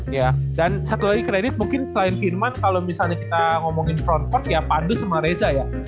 ya dan satu lagi kredit mungkin selain finland kalau misalnya kita ngomongin front court ya pandu sama reza ya